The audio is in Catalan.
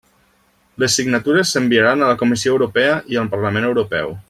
Les signatures s'enviaran a la Comissió Europea i al Parlament Europeu.